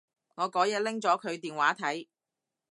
我嗰日拎咗佢電話睇